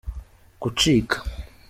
gucika